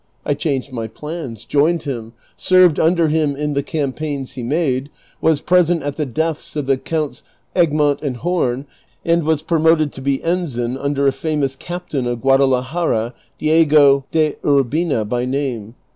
1 changed my plans, joined him, served under him in the campaigns he madi^ was present at the deaths of the Counts Egmont and Horn, and was promoted to be ensign under a famous captain of Guadalajara, Diego de Urbina by name.